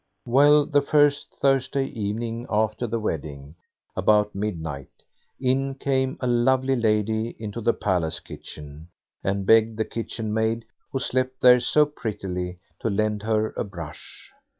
Well, the first Thursday evening after the wedding, about midnight, in came a lovely lady into the palace kitchen, and begged the kitchen maid, who slept there, so prettily, to lend her a brush.